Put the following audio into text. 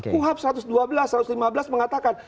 kuhab satu ratus dua belas satu ratus lima belas mengatakan